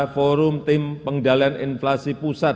forum tim pengendalian inflasi pusat